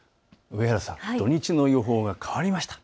上原さん、土日の予報、変わりました。